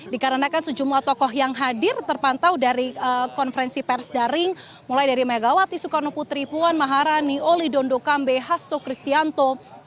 dikarenakan sejumlah tokoh yang hadir terpantau dari konferensi pers daring mulai dari megawati soekarno putri puan maharani oli dondo kambe hasto kristianto